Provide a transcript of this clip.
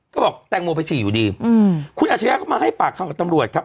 ก็บอกแตงโมไปฉี่อยู่ดีอืมคุณอาชญาก็มาให้ปากคำกับตำรวจครับ